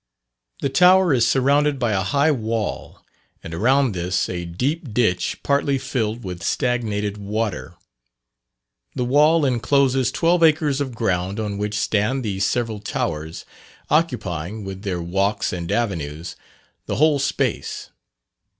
The Tower is surrounded by a high wall, and around this a deep ditch partly filled with stagnated water. The wall incloses twelve acres of ground on which stand the several towers, occupying, with their walks and avenues, the whole space.